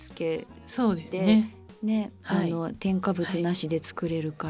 添加物なしで作れるから。